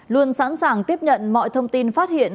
luôn sẵn sàng tiếp nhận mọi thông tin phát hiện